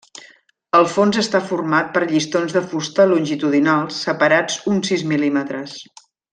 El fons està format per llistons de fusta longitudinals separats uns sis mil·límetres.